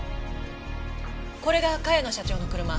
これが茅野社長の車。